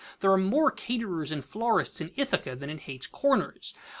There are more caterers and florists in Ithaca than in Hayt's Corners.